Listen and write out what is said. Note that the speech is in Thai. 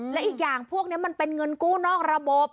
และอีกอย่างพวกนี้มันเป็นเงินกู้นอกระบบ